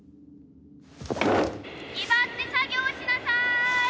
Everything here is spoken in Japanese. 「気張って作業しなさーい！」